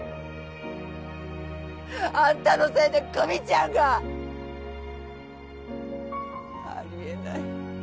あんたのせいで久実ちゃんが！ありえない。